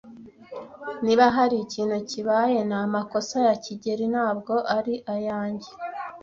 Niba hari ikintu kibaye, ni amakosa ya kigeli, ntabwo ari ayanjye.